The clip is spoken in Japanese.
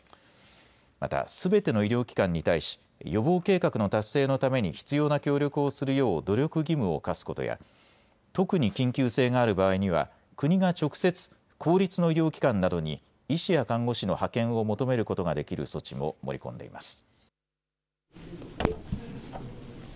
またすべての医療機関に対し予防計画の達成のために必要な協力をするよう努力義務を課すことや特に緊急性がある場合には国が直接、公立の医療機関などに医師や看護師の派遣を求めることができる措置も盛り込んでいます。